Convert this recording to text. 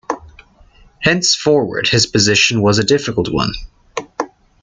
Henceforward his position was a difficult one.